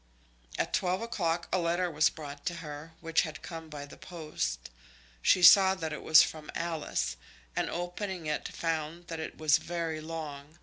At twelve o'clock a letter was brought to her, which had come by the post. She saw that it was from Alice, and opening it found that it was very long.